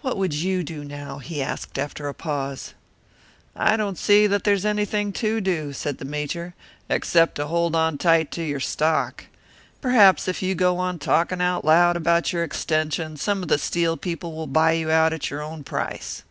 "What would you do now?" he asked, after a pause. "I don't see that there's anything to do," said the Major, "except to hold on tight to your stock. Perhaps if you go on talking out loud about your extension, some of the Steel people will buy you out at your own price."